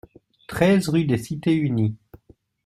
treize rue des Cités Unies